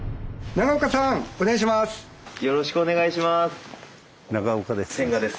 長岡です。